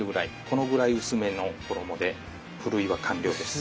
このぐらい薄めの衣でふるいは完了です。